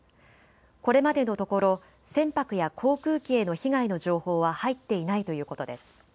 これまでのところ船舶や航空機への被害の情報は入っていないということです。